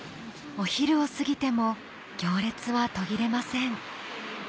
お昼を過ぎても行列は途切れません